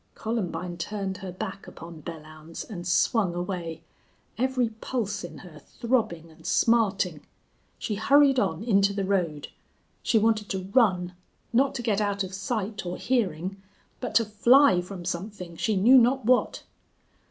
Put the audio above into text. Columbine turned her back upon Belllounds and swung away, every pulse in her throbbing and smarting. She hurried on into the road. She wanted to run, not to get out of sight or hearing, but to fly from something, she knew not what.